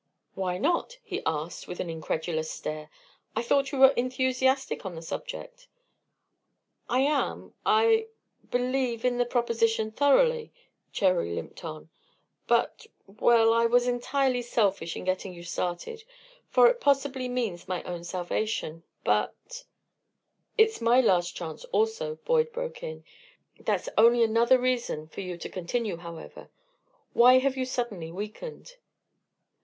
"Why not?" he asked, with an incredulous stare. "I thought you were enthusiastic on the subject." "I am I believe in the proposition thoroughly," Cherry limped on, "but well, I was entirely selfish in getting you started, for it possibly means my own salvation, but " "It's my last chance also," Boyd broke in. "That's only another reason for you to continue, however. Why have you suddenly weakened?"